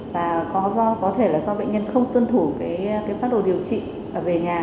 và có thể là do bệnh nhân không tuân thủ phát đồ điều trị về nhà